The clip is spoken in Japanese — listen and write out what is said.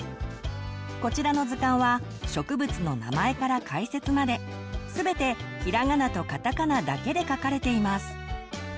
こちらの図鑑は植物の名前から解説まで全てひらがなとカタカナだけで書かれています。